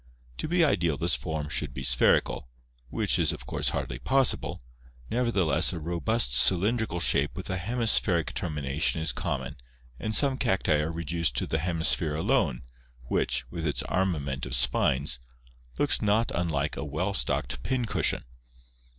To be ideal this form should be spherical, which is of course hardly possible, nevertheless a robust cylindrical shape with a hemispherical termination is common and some cacti are reduced to the hemisphere alone, which, with its armament of spines, looks not unlike a well stocked pincushion.